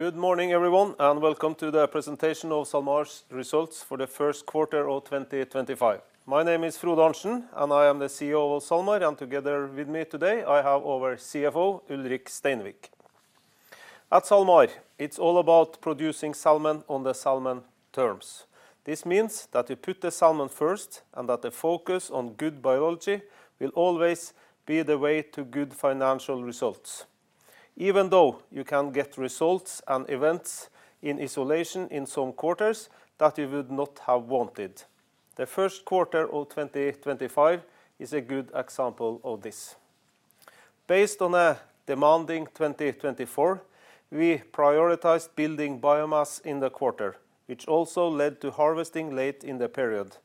Good morning, everyone, and welcome to the presentation of SalMar's results for the first quarter of 2025. My name is Frode Arntsen, and I am the CEO of SalMar. Together with me today, I have our CFO, Ulrik Steinvik. At SalMar, it's all about producing salmon on the salmon terms. This means that you put the salmon first and that the focus on good biology will always be the way to good financial results, even though you can get results and events in isolation in some quarters that you would not have wanted. The first quarter of 2025 is a good example of this. Based on a demanding 2024, we prioritized building biomass in the quarter, which also led to harvesting late in the period,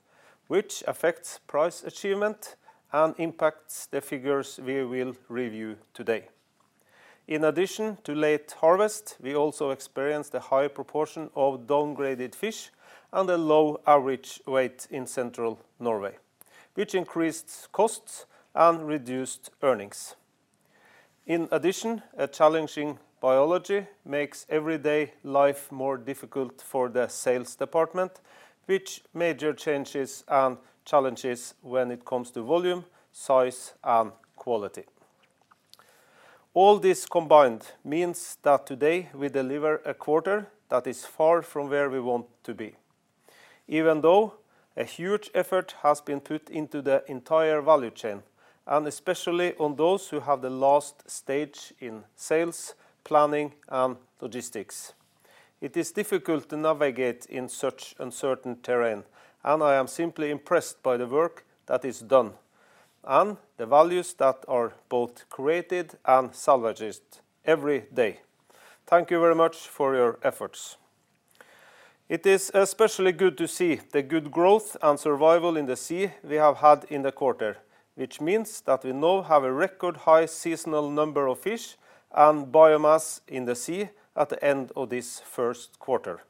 which affects price achievement and impacts the figures we will review today. In addition to late harvest, we also experienced a high proportion of downgraded fish and a low average weight in Central Norway, which increased costs and reduced earnings. In addition, a challenging biology makes everyday life more difficult for the sales department, which creates major changes and challenges when it comes to volume, size, and quality. All this combined means that today we deliver a quarter that is far from where we want to be, even though a huge effort has been put into the entire value chain, and especially on those who have the last stage in sales, planning, and logistics. It is difficult to navigate in such uncertain terrain, and I am simply impressed by the work that is done and the values that are both created and salvaged every day. Thank you very much for your efforts. It is especially good to see the good growth and survival in the sea we have had in the quarter, which means that we now have a record high seasonal number of fish and biomass in the sea at the end of this first quarter.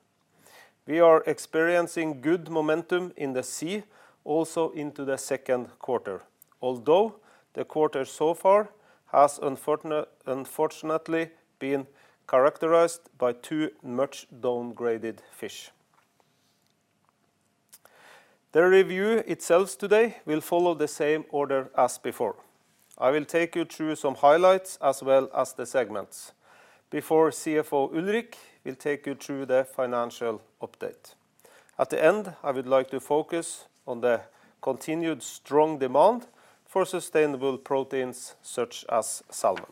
We are experiencing good momentum in the sea also into the second quarter, although the quarter so far has unfortunately been characterized by too much downgraded fish. The review itself today will follow the same order as before. I will take you through some highlights as well as the segments. Before CFO Ulrik will take you through the financial update. At the end, I would like to focus on the continued strong demand for sustainable proteins such as salmon.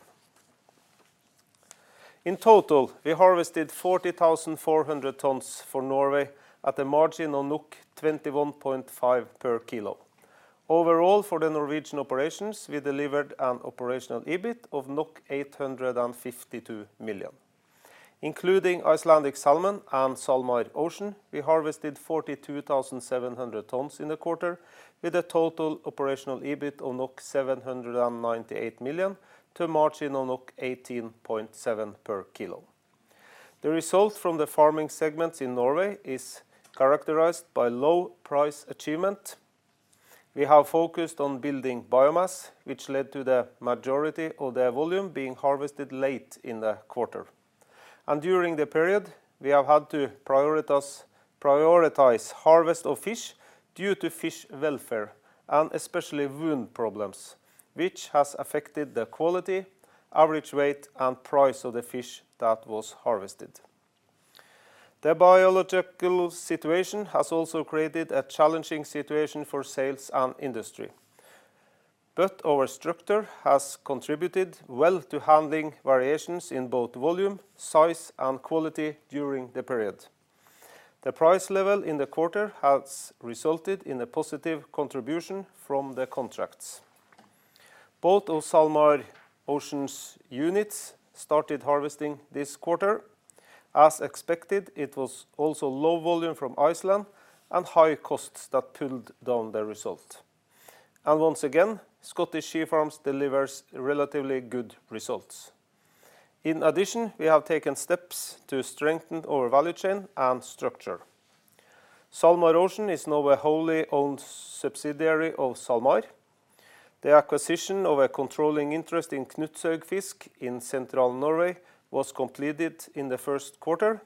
In total, we harvested 40,400 tons for Norway at a margin of 21.5 per kg. Overall, for the Norwegian operations, we delivered an operational EBIT of 852 million. Including Icelandic Salmon and SalMar Ocean, we harvested 42,700 tons in the quarter, with a total operational EBIT of 798 million to a margin of 18.7 per kg. The result from the farming segments in Norway is characterized by low price achievement. We have focused on building biomass, which led to the majority of the volume being harvested late in the quarter. During the period, we have had to prioritize harvest of fish due to fish welfare and especially wound problems, which has affected the quality, average weight, and price of the fish that was harvested. The biological situation has also created a challenging situation for sales and industry. Our structure has contributed well to handling variations in both volume, size, and quality during the period. The price level in the quarter has resulted in a positive contribution from the contracts. Both of SalMar Ocean's units started harvesting this quarter. As expected, it was also low volume from Iceland and high costs that pulled down the result. Once again, Scottish Sea Farms delivers relatively good results. In addition, we have taken steps to strengthen our value chain and structure. SalMar Ocean is now a wholly owned subsidiary of SalMar. The acquisition of a controlling interest in Knutsøyfisk in central Norway was completed in the first quarter.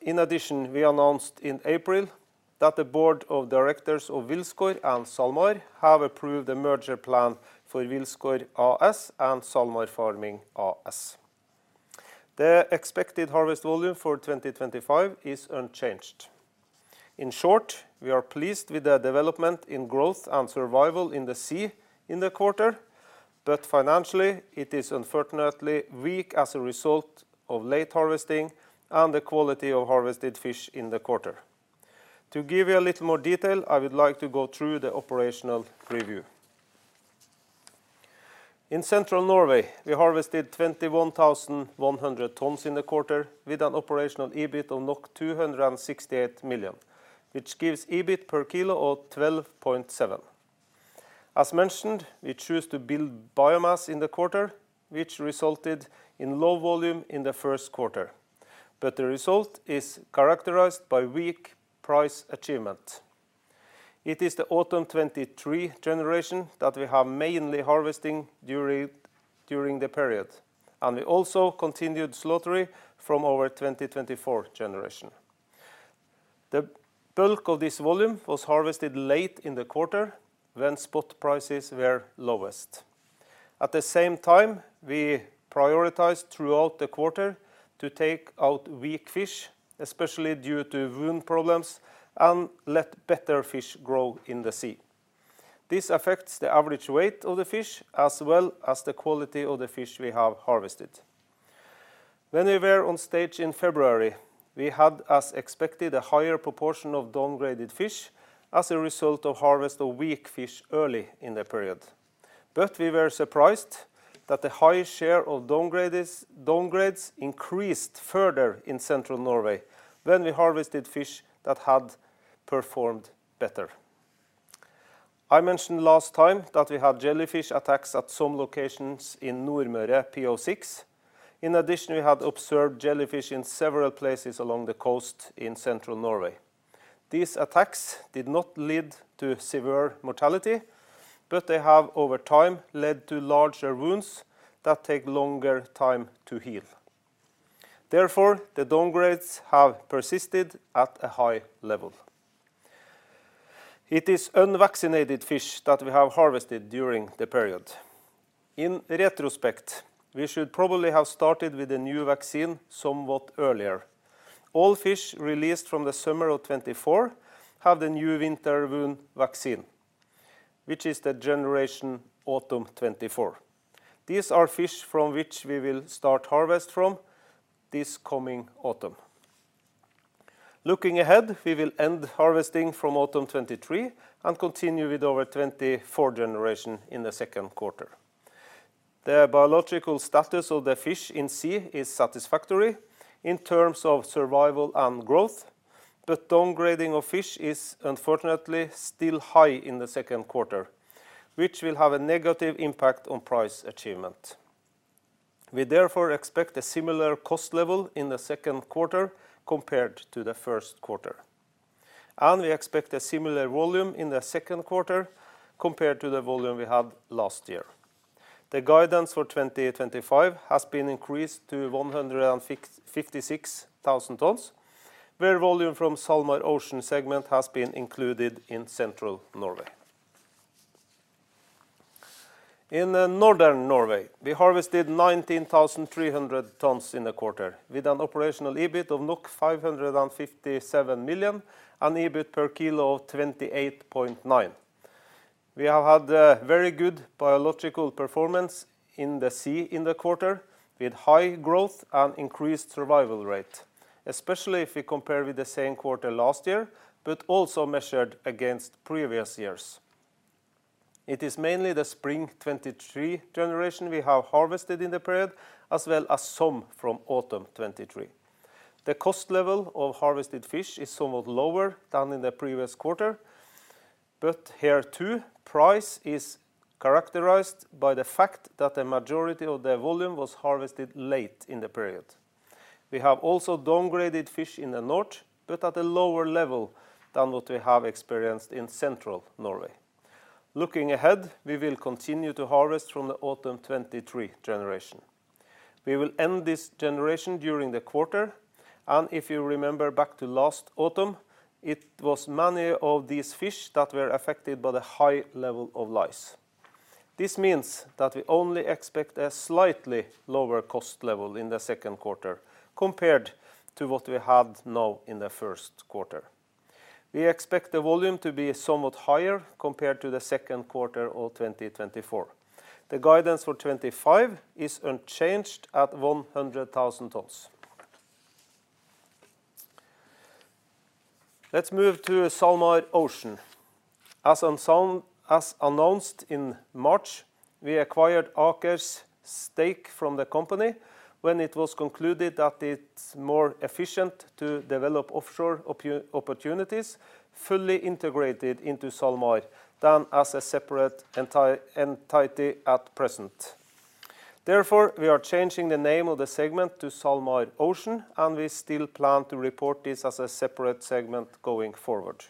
In addition, we announced in April that the board of directors of Wilsgård and SalMar have approved a merger plan for Wilsgård A S and SalMar Farming AS. The expected harvest volume for 2025 is unchanged. In short, we are pleased with the development in growth and survival in the sea in the quarter, but financially, it is unfortunately weak as a result of late harvesting and the quality of harvested fish in the quarter. To give you a little more detail, I would like to go through the operational review. In Central Norway, we harvested 21,100 tons in the quarter with an operational EBIT of 268 million, which gives EBIT per kg of 12.7. As mentioned, we chose to build biomass in the quarter, which resulted in low volume in the first quarter, but the result is characterized by weak price achievement. It is the autumn 2023 generation that we have mainly harvesting during the period, and we also continued slaughtering from our 2024 generation. The bulk of this volume was harvested late in the quarter when spot prices were lowest. At the same time, we prioritized throughout the quarter to take out weak fish, especially due to wound problems, and let better fish grow in the sea. This affects the average weight of the fish as well as the quality of the fish we have harvested. When we were on stage in February, we had, as expected, a higher proportion of downgraded fish as a result of harvest of weak fish early in the period. We were surprised that the high share of downgrades increased further in central Norway when we harvested fish that had performed better. I mentioned last time that we had jellyfish attacks at some locations in Nordmøre PO6. In addition, we had observed jellyfish in several places along the coast in central Norway. These attacks did not lead to severe mortality, but they have over time led to larger wounds that take longer time to heal. Therefore, the downgrades have persisted at a high level. It is unvaccinated fish that we have harvested during the period. In retrospect, we should probably have started with a new vaccine somewhat earlier. All fish released from the summer of 2024 have the new winter wound vaccine, which is the generation autumn 2024. These are fish from which we will start harvest from this coming autumn. Looking ahead, we will end harvesting from autumn 2023 and continue with our 2024 generation in the second quarter. The biological status of the fish in sea is satisfactory in terms of survival and growth, but downgrading of fish is unfortunately still high in the second quarter, which will have a negative impact on price achievement. We therefore expect a similar cost level in the second quarter compared to the first quarter, and we expect a similar volume in the second quarter compared to the volume we had last year. The guidance for 2025 has been increased to 156,000 tons, where volume from the SalMar Ocean segment has been included in Central Norway. In Northern Norway, we harvested 19,300 tons in the quarter with an operational EBIT of 557 million and EBIT per kg of 28.9. We have had very good biological performance in the sea in the quarter with high growth and increased survival rate, especially if we compare with the same quarter last year, but also measured against previous years. It is mainly the spring 2023 generation we have harvested in the period, as well as some from autumn 2023. The cost level of harvested fish is somewhat lower than in the previous quarter, but here too, price is characterized by the fact that the majority of the volume was harvested late in the period. We have also downgraded fish in the north, but at a lower level than what we have experienced in central Norway. Looking ahead, we will continue to harvest from the autumn 2023 generation. We will end this generation during the quarter, and if you remember back to last autumn, it was many of these fish that were affected by the high level of lice. This means that we only expect a slightly lower cost level in the second quarter compared to what we had now in the first quarter. We expect the volume to be somewhat higher compared to the second quarter of 2024. The guidance for 2025 is unchanged at 100,000 tons. Let's move to SalMar Ocean. As announced in March, we acquired Aker stake from the company when it was concluded that it's more efficient to develop offshore opportunities fully integrated into SalMar than as a separate entity at present. Therefore, we are changing the name of the segment to SalMar Ocean, and we still plan to report this as a separate segment going forward.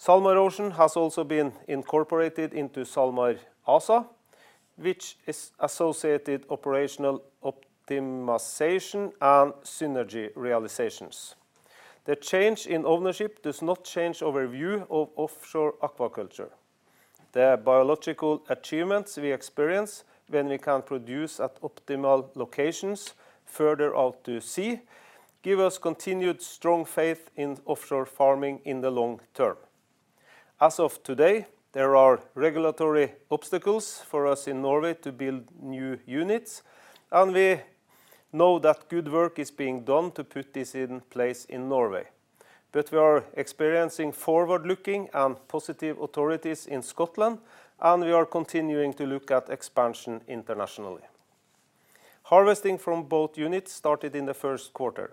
SalMar Ocean has also been incorporated into SalMar ASA, which is associated with operational optimization and synergy realizations. The change in ownership does not change our view of offshore aquaculture. The biological achievements we experience when we can produce at optimal locations further out to sea give us continued strong faith in offshore farming in the long term. As of today, there are regulatory obstacles for us in Norway to build new units, and we know that good work is being done to put this in place in Norway. We are experiencing forward-looking and positive authorities in Scotland, and we are continuing to look at expansion internationally. Harvesting from both units started in the first quarter.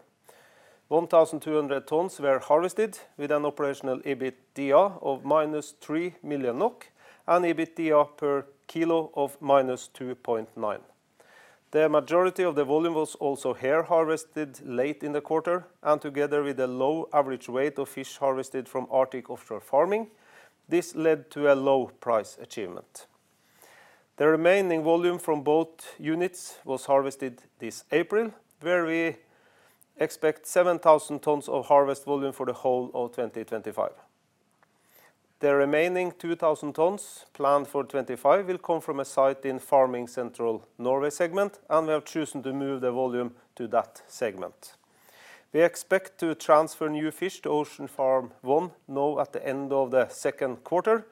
1,200 tons were harvested with an operational EBITDA of -3 million NOK and EBITDA per kg of -2.9. The majority of the volume was also here harvested late in the quarter, and together with the low average weight of fish harvested from Arctic offshore farming, this led to a low price achievement. The remaining volume from both units was harvested this April, where we expect 7,000 tons of harvest volume for the whole of 2025. The remaining 2,000 tons planned for 2025 will come from a site in farming Central Norway segment, and we have chosen to move the volume to that segment. We expect to transfer new fish to Ocean Farm Vonn now at the end of the second quarter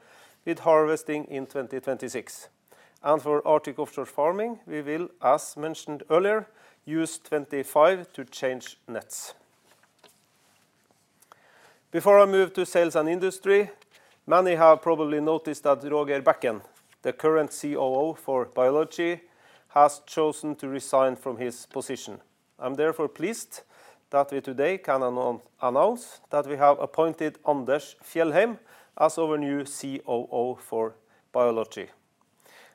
with harvesting in 2026. For Arctic offshore farming, we will, as mentioned earlier, use 2025 to change nets. Before I move to sales and industry, many have probably noticed that Roger Bekken, the current COO for Biology, has chosen to resign from his position. I'm therefore pleased that we today can announce that we have appointed Anders Fjellheim as our new COO for Biology.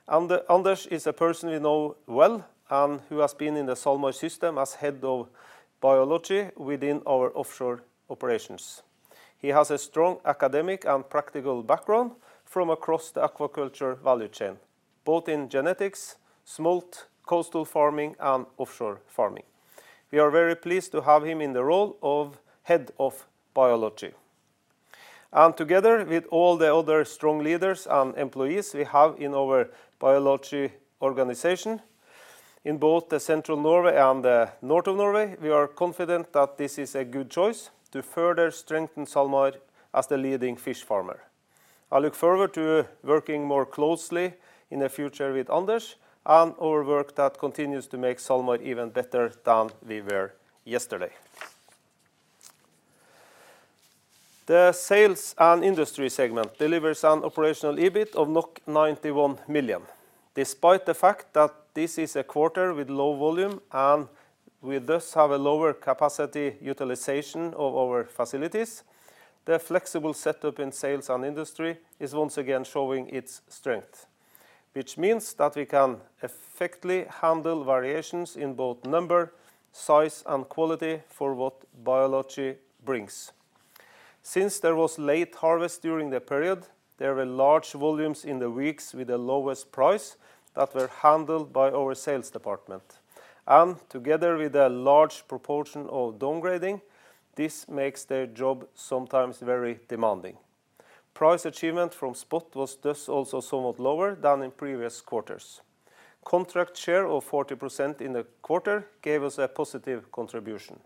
Anders is a person we know well and who has been in the SalMar system as Head of Biology within our offshore operations. He has a strong academic and practical background from across the aquaculture value chain, both in genetics, smolt, coastal farming, and offshore farming. We are very pleased to have him in the role of Head of Biology. Together with all the other strong leaders and employees we have in our Biology organization, in both Central Norway and the north of Norway, we are confident that this is a good choice to further strengthen SalMar as the leading fish farmer. I look forward to working more closely in the future with Anders and our work that continues to make SalMar even better than we were yesterday. The sales and industry segment delivers an operational EBIT of 91 million. Despite the fact that this is a quarter with low volume and we thus have a lower capacity utilization of our facilities, the flexible setup in sales and industry is once again showing its strength, which means that we can effectively handle variations in both number, size, and quality for what Biology brings. Since there was late harvest during the period, there were large volumes in the weeks with the lowest price that were handled by our sales department. Together with a large proportion of downgrading, this makes their job sometimes very demanding. Price achievement from spot was thus also somewhat lower than in previous quarters. Contract share of 40% in the quarter gave us a positive contribution.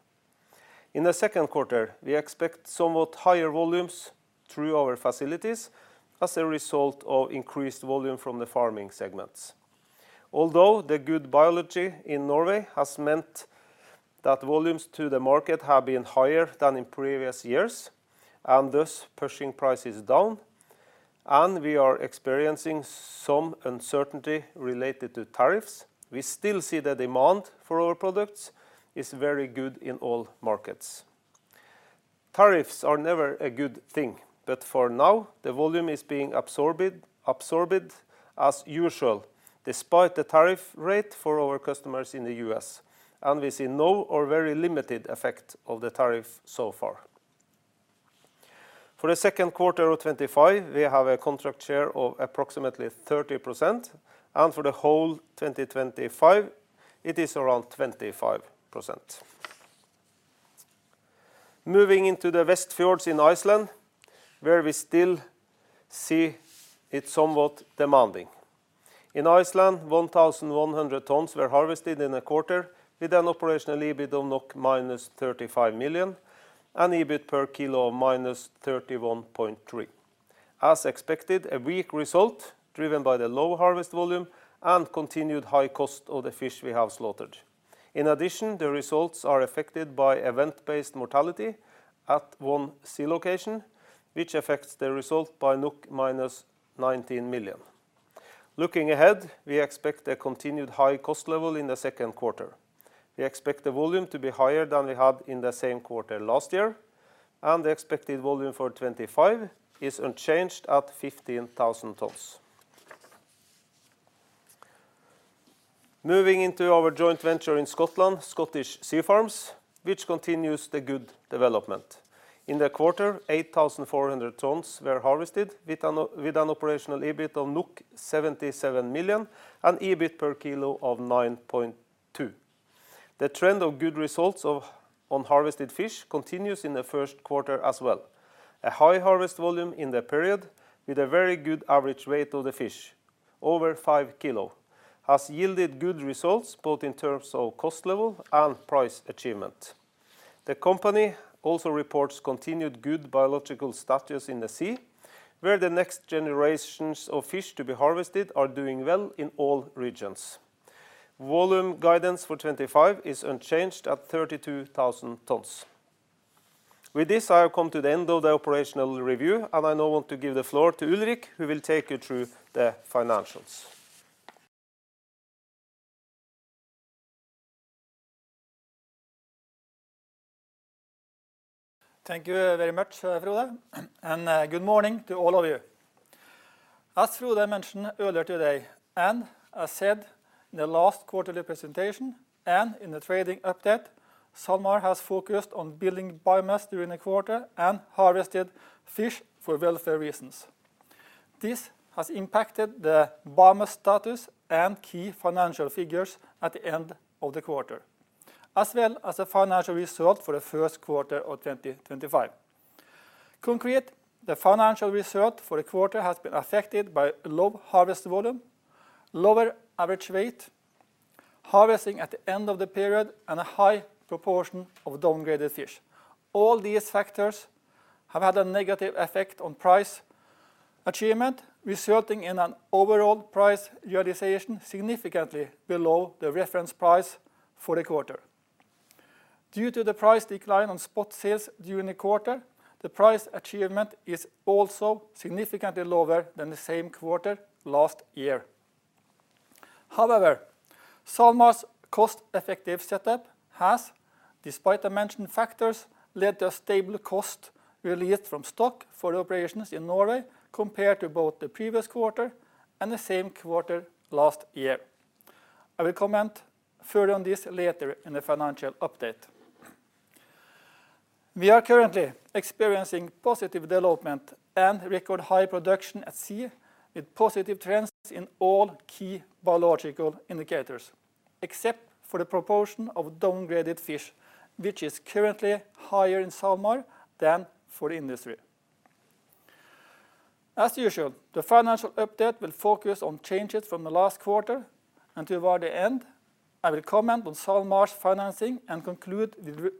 In the second quarter, we expect somewhat higher volumes through our facilities as a result of increased volume from the farming segments. Although the good biology in Norway has meant that volumes to the market have been higher than in previous years and thus pushing prices down, and we are experiencing some uncertainty related to tariffs, we still see the demand for our products is very good in all markets. Tariffs are never a good thing, but for now, the volume is being absorbed as usual despite the tariff rate for our customers in the U.S., and we see no or very limited effect of the tariff so far. For the second quarter of 2025, we have a contract share of approximately 30%, and for the whole 2025, it is around 25%. Moving into the West Fjords in Iceland, where we still see it somewhat demanding. In Iceland, 1,100 tons were harvested in the quarter with an operational EBIT of -35 million and EBIT per kg of -31.3. As expected, a weak result driven by the low harvest volume and continued high cost of the fish we have slaughtered. In addition, the results are affected by event-based mortality at one sea location, which affects the result by -19 million. Looking ahead, we expect a continued high cost level in the second quarter. We expect the volume to be higher than we had in the same quarter last year, and the expected volume for 2025 is unchanged at 15,000 tons. Moving into our joint venture in Scotland, Scottish Sea Farms, which continues the good development. In the quarter, 8,400 tons were harvested with an operational EBIT of 77 million and EBIT per kg of 9.2. The trend of good results on harvested fish continues in the first quarter as well. A high harvest volume in the period with a very good average weight of the fish, over 5 kg, has yielded good results both in terms of cost level and price achievement. The company also reports continued good biological status in the sea, where the next generations of fish to be harvested are doing well in all regions. Volume guidance for 2025 is unchanged at 32,000 tons. With this, I have come to the end of the operational review, and I now want to give the floor to Ulrik, who will take you through the financials. Thank you very much, Frode, and good morning to all of you. As Frode mentioned earlier today and as said in the last quarterly presentation and in the trading update, SalMar has focused on building biomass during the quarter and harvested fish for welfare reasons. This has impacted the biomass status and key financial figures at the end of the quarter, as well as the financial result for the first quarter of 2025. Concretely, the financial result for the quarter has been affected by low harvest volume, lower average weight, harvesting at the end of the period, and a high proportion of downgraded fish. All these factors have had a negative effect on price achievement, resulting in an overall price realization significantly below the reference price for the quarter. Due to the price decline on spot sales during the quarter, the price achievement is also significantly lower than the same quarter last year. However, SalMar's cost-effective setup has, despite the mentioned factors, led to a stable cost released from stock for the operations in Norway compared to both the previous quarter and the same quarter last year. I will comment further on this later in the financial update. We are currently experiencing positive development and record high production at sea with positive trends in all key biological indicators, except for the proportion of downgraded fish, which is currently higher in SalMar than for industry. As usual, the financial update will focus on changes from the last quarter, and toward the end, I will comment on SalMar's financing and conclude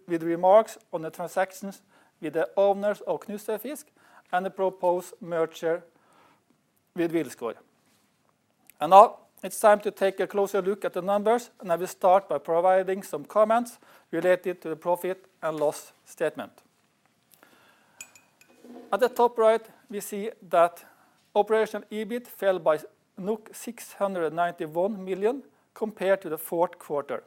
with remarks on the transactions with the owners of Knutsøyfisk and the proposed merger with Wilsgård. Now it is time to take a closer look at the numbers, and I will start by providing some comments related to the profit and loss statement. At the top right, we see that operational EBIT fell by 691 million compared to the fourth quarter,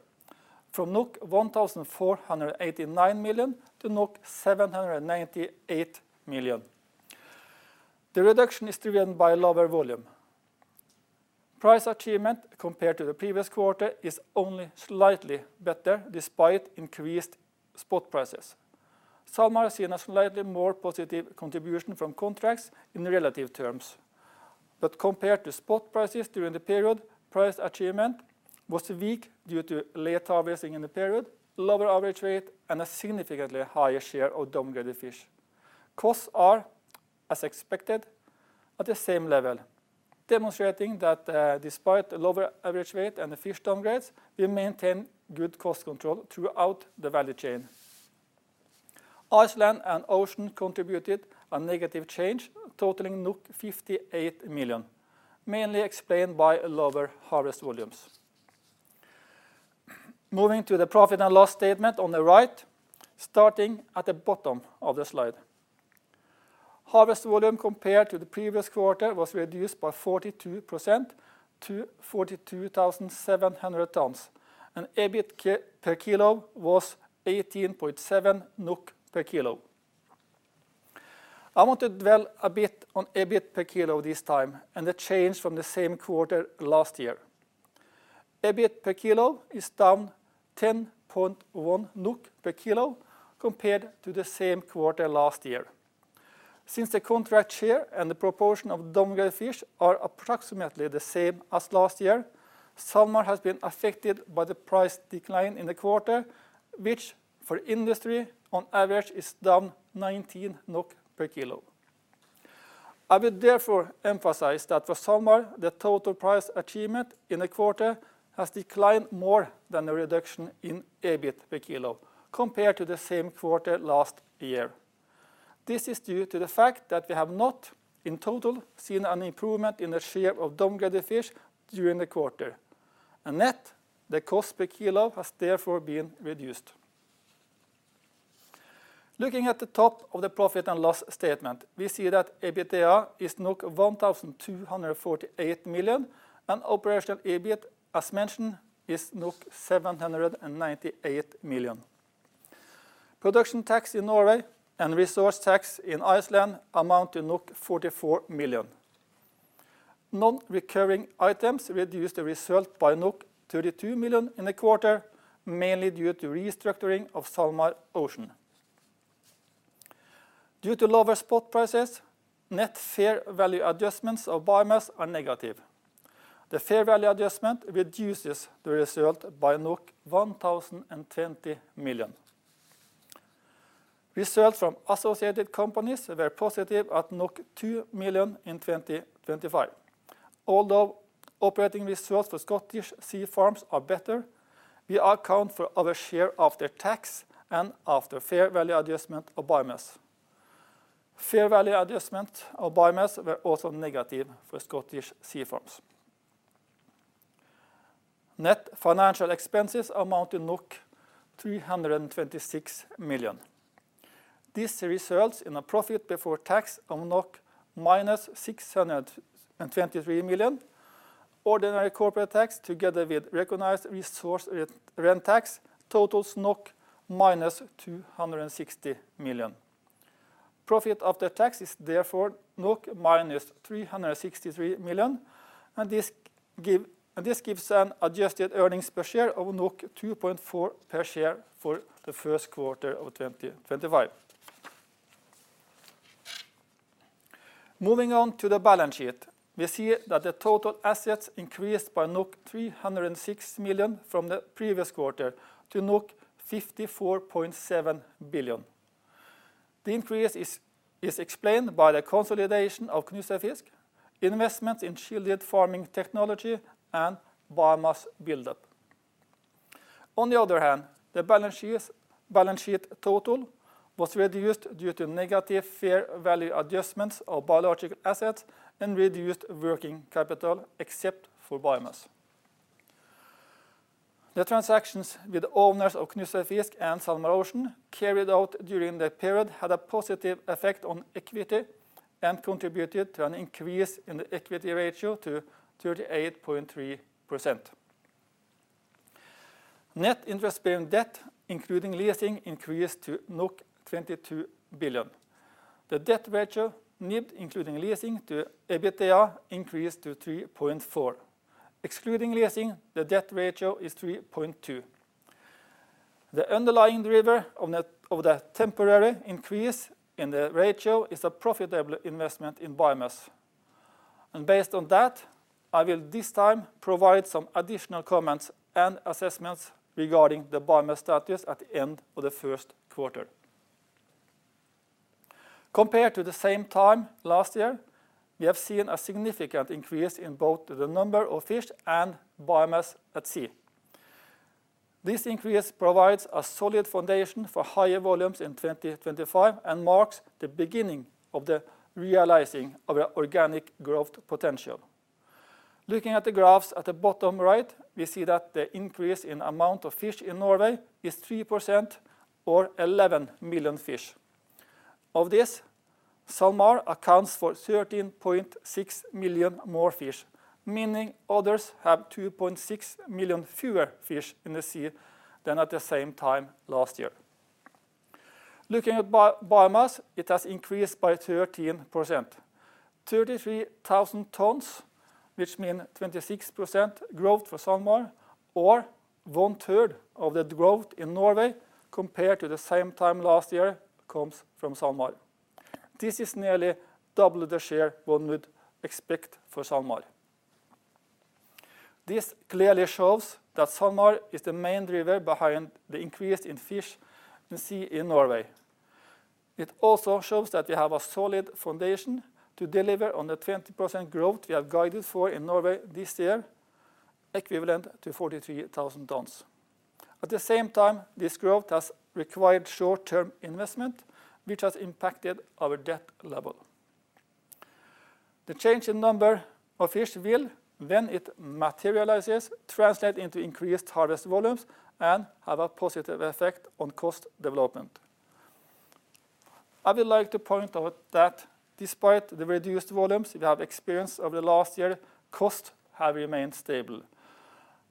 from 1.489 billion to 798 million. The reduction is driven by lower volume. Price achievement compared to the previous quarter is only slightly better despite increased spot prices. SalMar has seen a slightly more positive contribution from contracts in relative terms, but compared to spot prices during the period, price achievement was weak due to late harvesting in the period, lower average weight, and a significantly higher share of downgraded fish. Costs are, as expected, at the same level, demonstrating that despite the lower average weight and the fish downgrades, we maintain good cost control throughout the value chain. Iceland and Ocean contributed a negative change, totaling 58 million, mainly explained by lower harvest volumes. Moving to the profit and loss statement on the right, starting at the bottom of the slide. Harvest volume compared to the previous quarter was reduced by 42% to 42,700 tons, and EBIT per kg was 18.7 NOK per kg. I want to dwell a bit on EBIT per kg this time and the change from the same quarter last year. EBIT per kg is down 10.1 NOK per kg compared to the same quarter last year. Since the contract share and the proportion of downgraded fish are approximately the same as last year, SalMar has been affected by the price decline in the quarter, which for industry on average is down 19 NOK per kg. I would therefore emphasize that for SalMar, the total price achievement in the quarter has declined more than the reduction in EBIT per kg compared to the same quarter last year. This is due to the fact that we have not in total seen an improvement in the share of downgraded fish during the quarter, and yet the cost per kg has therefore been reduced. Looking at the top of the profit and loss statement, we see that EBITA is 1,248 million, and operational EBIT, as mentioned, is 798 million. Production tax in Norway and resource tax in Iceland amount to 44 million. Non-recurring items reduced the result by 32 million in the quarter, mainly due to restructuring of SalMar Ocean. Due to lower spot prices, net fair value adjustments of biomass are negative. The fair value adjustment reduces the result by 1.020 billion. Results from associated companies were positive at 2 million in 2025. Although operating results for Scottish Sea Farms are better, we account for our share after tax and after fair value adjustment of biomass. Fair value adjustment of biomass were also negative for Scottish Sea Farms. Net financial expenses amount to 326 million. This results in a profit before tax of -623 million. Ordinary corporate tax, together with recognized resource rent tax, totals -260 million. Profit after tax is therefore -363 million, and this gives an adjusted earnings per share of 2.4 per share for the first quarter of 2025. Moving on to the balance sheet, we see that the total assets increased by 306 million from the previous quarter to 54.7 billion. The increase is explained by the consolidation of Knutsøyfisk, investments in shielded farming technology, and biomass buildup. On the other hand, the balance sheet total was reduced due to negative fair value adjustments of biological assets and reduced working capital except for biomass. The transactions with the owners of Knutsøyfisk and SalMar Ocean carried out during the period had a positive effect on equity and contributed to an increase in the equity ratio to 38.3%. Net interest-bearing debt, including leasing, increased to 22 billion. The debt ratio, NIB including leasing, to EBITDA increased to 3.4. Excluding leasing, the debt ratio is 3.2. The underlying driver of the temporary increase in the ratio is a profitable investment in biomass. Based on that, I will this time provide some additional comments and assessments regarding the biomass status at the end of the first quarter. Compared to the same time last year, we have seen a significant increase in both the number of fish and biomass at sea. This increase provides a solid foundation for higher volumes in 2025 and marks the beginning of the realizing of the organic growth potential. Looking at the graphs at the bottom right, we see that the increase in the amount of fish in Norway is 3% or 11 million fish. Of this, SalMar accounts for 13.6 million more fish, meaning others have 2.6 million fewer fish in the sea than at the same time last year. Looking at biomass, it has increased by 13%. 33,000 tons, which means 26% growth for SalMar, or 1/3 of the growth in Norway compared to the same time last year, comes from SalMar. This is nearly double the share one would expect for SalMar. This clearly shows that SalMar is the main driver behind the increase in fish in sea in Norway. It also shows that we have a solid foundation to deliver on the 20% growth we have guided for in Norway this year, equivalent to 43,000 tons. At the same time, this growth has required short-term investment, which has impacted our debt level. The change in number of fish will, when it materializes, translate into increased harvest volumes and have a positive effect on cost development. I would like to point out that despite the reduced volumes we have experienced over the last year, costs have remained stable.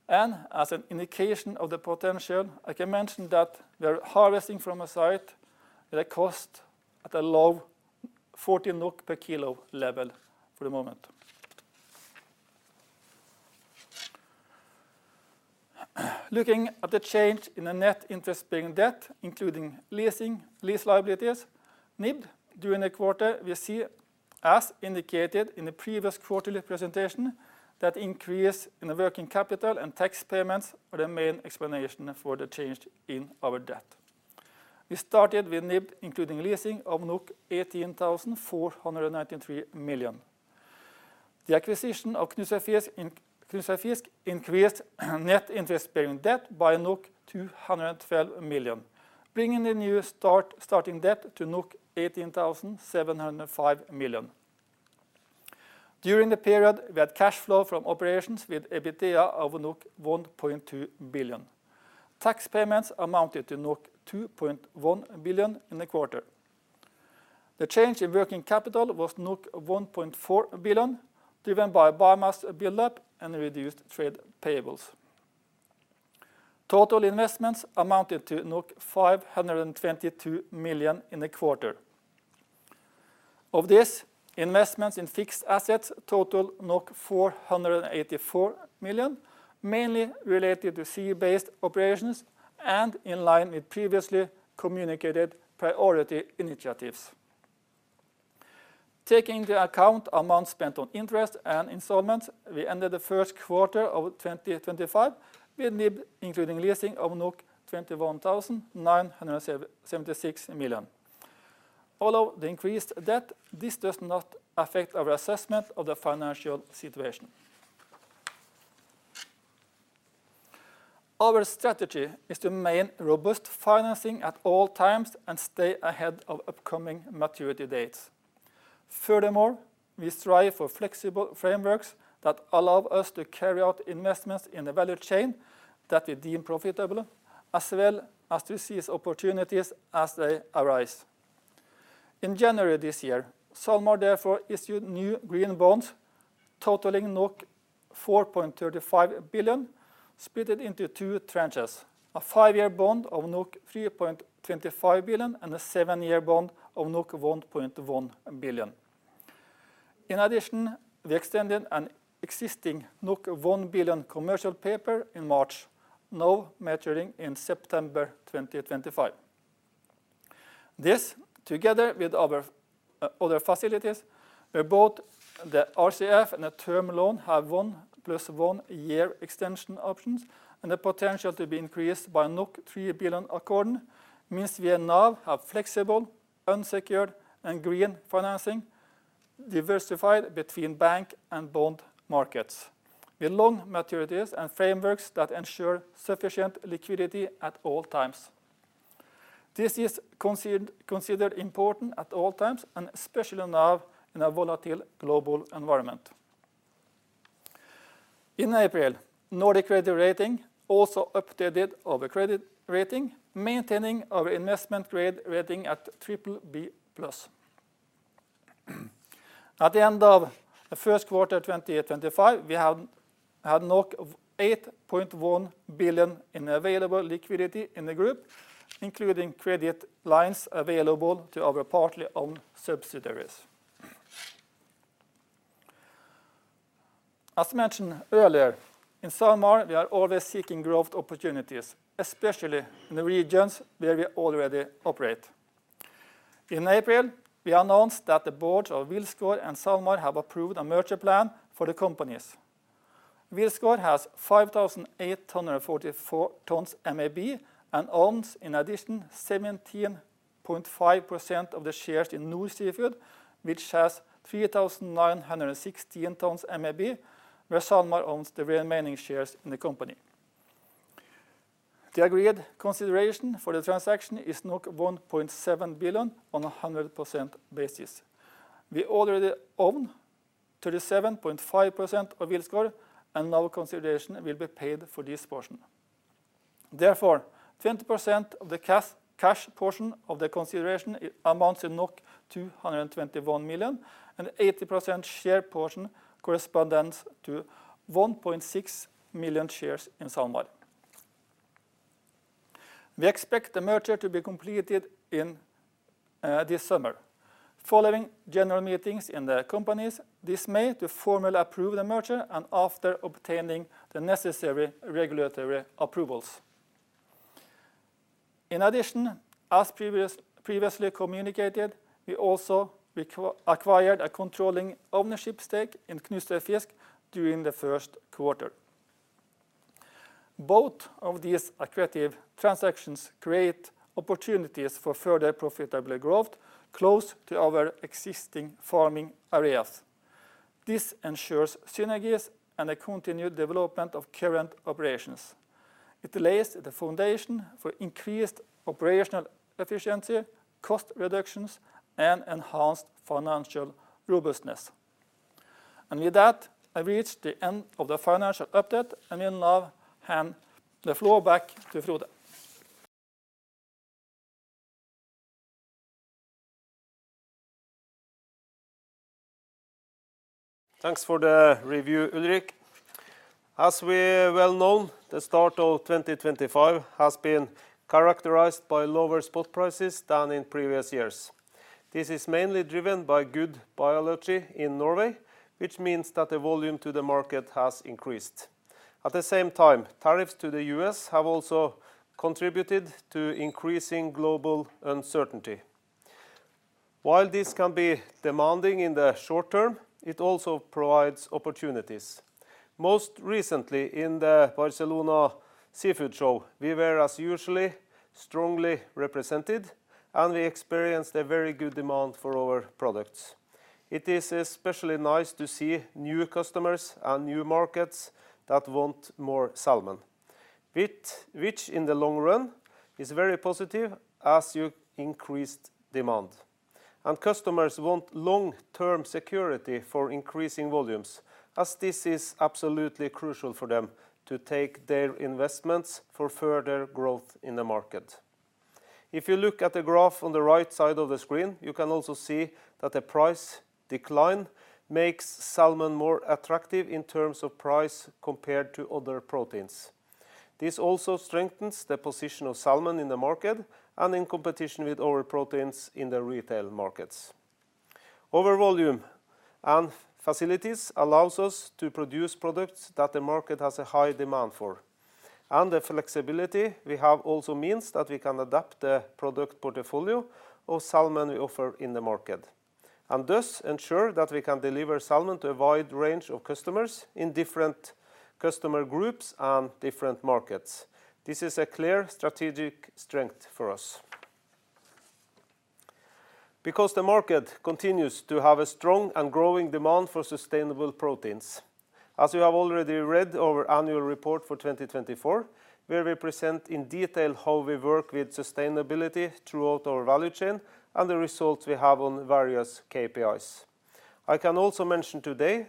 As an indication of the potential, I can mention that we are harvesting from a site with a cost at a low 40 NOK per kg level for the moment. Looking at the change in the net interest-bearing debt, including leasing, lease liabilities, NIB during the quarter, we see, as indicated in the previous quarterly presentation, that increase in the working capital and tax payments are the main explanation for the change in our debt. We started with NIB, including leasing of 18.493 billion. The acquisition of Knutsøyfisk increased net interest-bearing debt by 212 million, bringing the new starting debt to 18,705 million. During the period, we had cash flow from operations with EBITA of 1.2 billion. Tax payments amounted to 2.1 billion in the quarter. The change in working capital was 1.4 billion, driven by biomass buildup and reduced trade payables. Total investments amounted to 522 million in the quarter. Of this, investments in fixed assets total 484 million, mainly related to sea-based operations and in line with previously communicated priority initiatives. Taking into account amounts spent on interest and installments, we ended the first quarter of 2025 with NIB, including leasing of 21.976 billion. Although the increased debt, this does not affect our assessment of the financial situation. Our strategy is to maintain robust financing at all times and stay ahead of upcoming maturity dates. Furthermore, we strive for flexible frameworks that allow us to carry out investments in the value chain that we deem profitable, as well as to seize opportunities as they arise. In January this year, SalMar therefore issued new green bonds totaling 4.35 billion, split into two tranches, a five-year bond of 3.25 billion and a seven-year bond of 1.1 billion. In addition, we extended an existing 1 billion commercial paper in March, now maturing in September 2025. This, together with other facilities, where both the RCF and the term loan have one plus one year extension options and the potential to be increased by 3 billion accord, means we now have flexible, unsecured, and green financing diversified between bank and bond markets with long maturities and frameworks that ensure sufficient liquidity at all times. This is considered important at all times, and especially now in a volatile global environment. In April, Nordic Credit Rating also updated our credit rating, maintaining our investment grade rating at BBB+. At the end of the first quarter 2025, we had 8.1 billion in available liquidity in the group, including credit lines available to our partly owned subsidiaries. As mentioned earlier, in SalMar, we are always seeking growth opportunities, especially in the regions where we already operate. In April, we announced that the boards of Wilsgård and SalMar have approved a merger plan for the companies. Wilsgård has 5,844 tons MAB and owns in addition 17.5% of the shares in Nordic Seafood, which has 3,916 tons MAB, where SalMar owns the remaining shares in the company. The agreed consideration for the transaction is 1.7 billion on a 100% basis. We already own 37.5% of Wilsgård and no consideration will be paid for this portion. Therefore, 20% of the cash portion of the consideration amounts to 221 million and 80% share portion corresponds to 1.6 million shares in SalMar. We expect the merger to be completed in this summer following general meetings in the companies this May to formally approve the merger and after obtaining the necessary regulatory approvals. In addition, as previously communicated, we also acquired a controlling ownership stake in Knutsøyfisk during the first quarter. Both of these accretive transactions create opportunities for further profitable growth close to our existing farming areas. This ensures synergies and the continued development of current operations. It lays the foundation for increased operational efficiency, cost reductions, and enhanced financial robustness. I reach the end of the financial update, and we now hand the floor back to Frode. Thanks for the review, Ulrik. As we well know, the start of 2025 has been characterized by lower spot prices than in previous years. This is mainly driven by good biology in Norway, which means that the volume to the market has increased. At the same time, tariffs to the U.S. have also contributed to increasing global uncertainty. While this can be demanding in the short term, it also provides opportunities. Most recently, in the Barcelona Seafood Show, we were, as usual, strongly represented, and we experienced a very good demand for our products. It is especially nice to see new customers and new markets that want more salmon, which in the long run is very positive as you increase demand. Customers want long-term security for increasing volumes, as this is absolutely crucial for them to take their investments for further growth in the market. If you look at the graph on the right side of the screen, you can also see that the price decline makes salmon more attractive in terms of price compared to other proteins. This also strengthens the position of salmon in the market and in competition with our proteins in the retail markets. Overall, volume and facilities allow us to produce products that the market has a high demand for. The flexibility we have also means that we can adapt the product portfolio of salmon we offer in the market and thus ensure that we can deliver salmon to a wide range of customers in different customer groups and different markets. This is a clear strategic strength for us because the market continues to have a strong and growing demand for sustainable proteins. As you have already read our annual report for 2024, where we present in detail how we work with sustainability throughout our value chain and the results we have on various KPIs. I can also mention today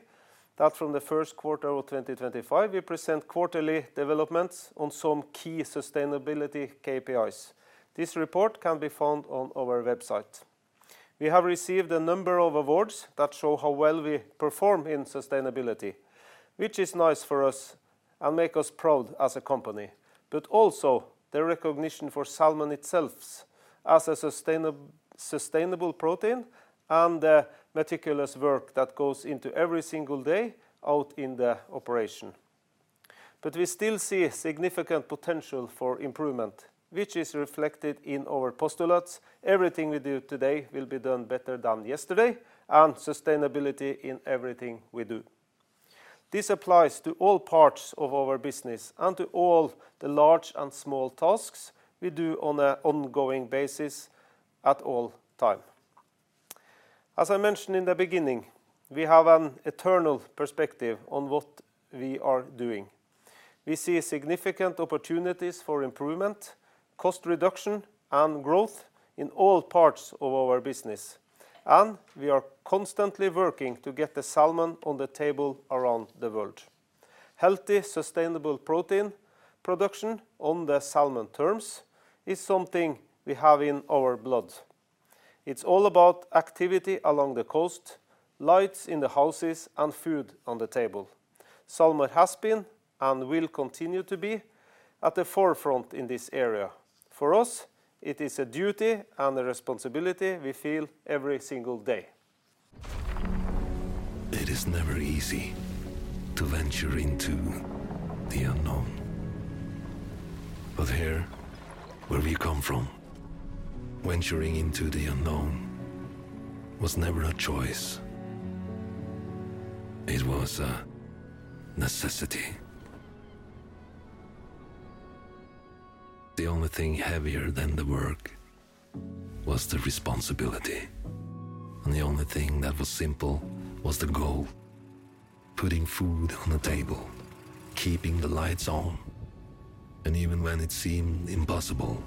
that from the first quarter of 2025, we present quarterly developments on some key sustainability KPIs. This report can be found on our website. We have received a number of awards that show how well we perform in sustainability, which is nice for us and makes us proud as a company, but also the recognition for salmon itself as a sustainable protein and the meticulous work that goes into every single day out in the operation. We still see significant potential for improvement, which is reflected in our postulates. Everything we do today will be done better than yesterday, and sustainability in everything we do. This applies to all parts of our business and to all the large and small tasks we do on an ongoing basis at all times. As I mentioned in the beginning, we have an eternal perspective on what we are doing. We see significant opportunities for improvement, cost reduction, and growth in all parts of our business, and we are constantly working to get the salmon on the table around the world. Healthy, sustainable protein production on the salmon terms is something we have in our blood. It's all about activity along the coast, lights in the houses, and food on the table. SalMar has been and will continue to be at the forefront in this area. For us, it is a duty and a responsibility we feel every single day. It is never easy to venture into the unknown, but here, where we come from, venturing into the unknown was never a choice. It was a necessity. The only thing heavier than the work was the responsibility, and the only thing that was simple was the goal: putting food on the table, keeping the lights on, and even when it seemed impossible,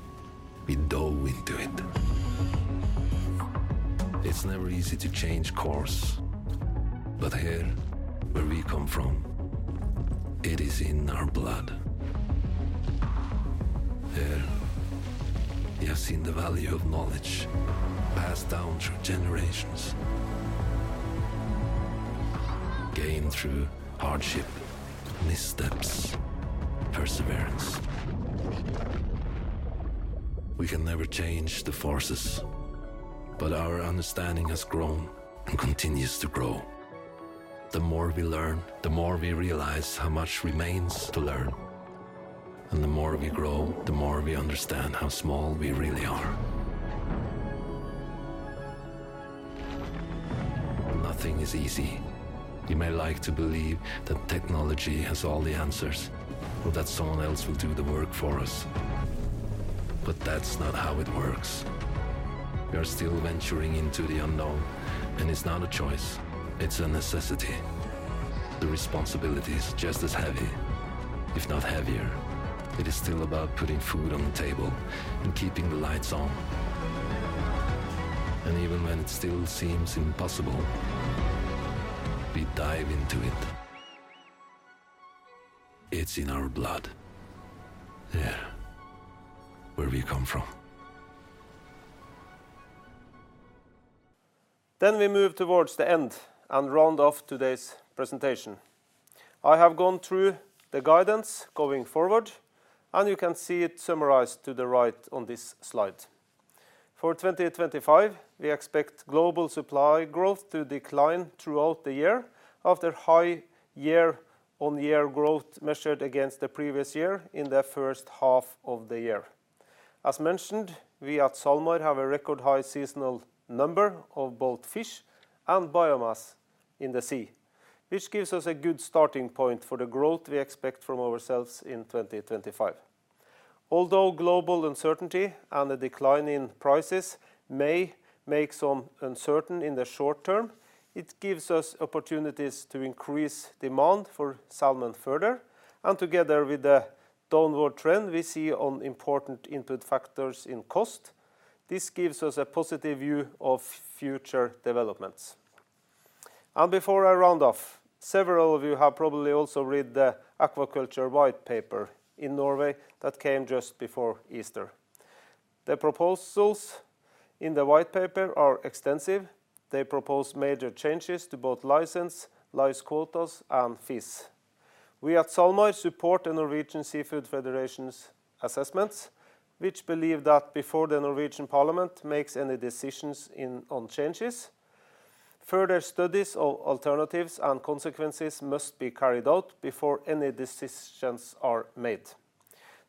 we dove into it. It's never easy to change course, but here, where we come from, it is in our blood. Here, we have seen the value of knowledge passed down through generations, gained through hardship, missteps, perseverance. We can never change the forces, but our understanding has grown and continues to grow. The more we learn, the more we realize how much remains to learn, and the more we grow, the more we understand how small we really are. Nothing is easy. You may like to believe that technology has all the answers or that someone else will do the work for us, but that's not how it works. We are still venturing into the unknown, and it's not a choice. It's a necessity. The responsibility is just as heavy, if not heavier. It is still about putting food on the table and keeping the lights on. Even when it still seems impossible, we dive into it. It's in our blood, here, where we come from. We move towards the end and round off today's presentation. I have gone through the guidance going forward, and you can see it summarized to the right on this slide. For 2025, we expect global supply growth to decline throughout the year after high year-on-year growth measured against the previous year in the first half of the year. As mentioned, we at SalMar have a record high seasonal number of both fish and biomass in the sea, which gives us a good starting point for the growth we expect from ourselves in 2025. Although global uncertainty and a decline in prices may make some uncertain in the short term, it gives us opportunities to increase demand for salmon further, and together with the downward trend we see on important input factors in cost, this gives us a positive view of future developments. Before I round off, several of you have probably also read the Aquaculture White Paper in Norway that came just before Easter. The proposals in the White Paper are extensive. They propose major changes to both license, life quotas, and fish. We at SalMar support the Norwegian Seafood Federation's assessments, which believe that before the Norwegian Parliament makes any decisions on changes, further studies of alternatives and consequences must be carried out before any decisions are made.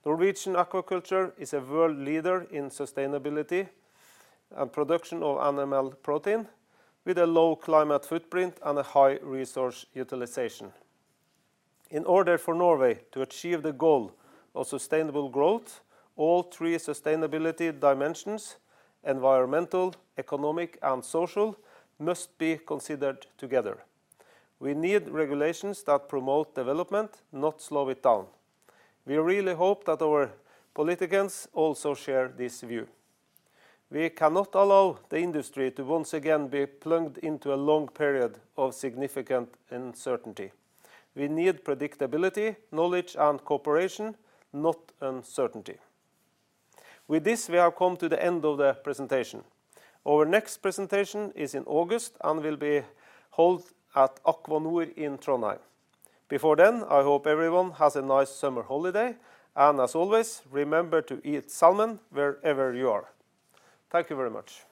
Norwegian aquaculture is a world leader in sustainability and production of animal protein with a low climate footprint and a high resource utilization. In order for Norway to achieve the goal of sustainable growth, all three sustainability dimensions, environmental, economic, and social, must be considered together. We need regulations that promote development, not slow it down. We really hope that our politicians also share this view. We cannot allow the industry to once again be plunged into a long period of significant uncertainty. We need predictability, knowledge, and cooperation, not uncertainty. With this, we have come to the end of the presentation. Our next presentation is in August and will be held at Aquanord in Trondheim. Before then, I hope everyone has a nice summer holiday, and as always, remember to eat salmon wherever you are. Thank you very much.